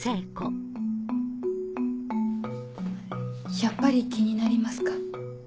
やっぱり気になりますか？